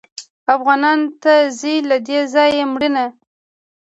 افغانانو ته ځي له دې ځایه مړینه